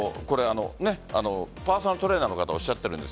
ただパーソナルトレーナーの方もおっしゃってます